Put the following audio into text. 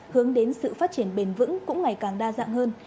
hướng đến sự phát triển bền vững cũng ngày càng đa dạng hơn